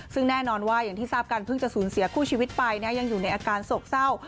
ซึ่งแน่นอนว่าอย่างที่ทราบกันเพิ่งจะสูญเสียคู่ชีวิตไปนะยังอยู่ในอาการโศกเศร้า